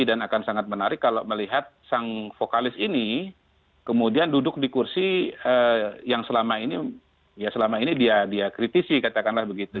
dan akan sangat menarik kalau melihat sang vokalis ini kemudian duduk di kursi yang selama ini dia kritisi katakanlah begitu